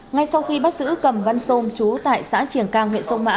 ngay sau khi bắt giữ cầm văn xôn trú tại xã triềng cang huyện sông mã